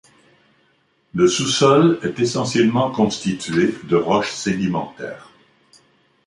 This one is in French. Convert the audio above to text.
Le sous-sol est essentiellement constitué de roches sédimentaires.